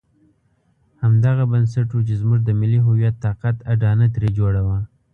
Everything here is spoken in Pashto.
همدغه بنسټ وو چې زموږ د ملي هویت طاقت اډانه ترې جوړه وه.